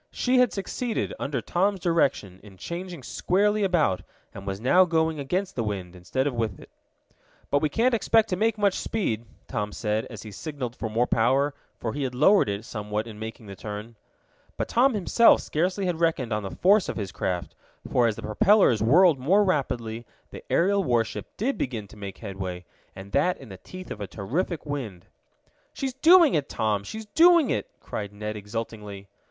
She had succeeded, under Tom's direction, in changing squarely about, and was now going against the wind, instead of with it. "But we can't expect to make much speed," Tom said, as he signaled for more power, for he had lowered it somewhat in making the turn. But Tom himself scarcely had reckoned on the force of his craft, for as the propellers whirled more rapidly the aerial warship did begin to make headway, and that in the teeth of a terrific wind. "She's doing it, Tom! She's doing it!" cried Ned exultingly.